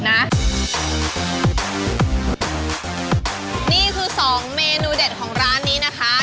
นี่คือ๒เมนูเด็ดของร้านนี้นะคะ